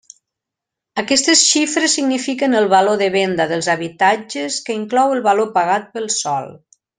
Aquestes xifres signifiquen el valor de venda dels habitatges que inclou el valor pagat pel sòl.